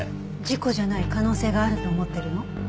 事故じゃない可能性があると思ってるの？